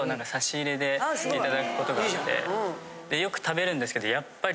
でよく食べるんですけどやっぱり。